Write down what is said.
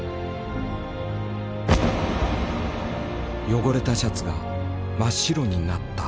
汚れたシャツが真っ白になった。